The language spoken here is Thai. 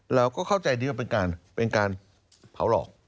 เราก็เข้าใจดีว่าเป็นการเผาหลอก